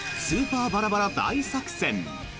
「スーパーバラバラ大作戦」。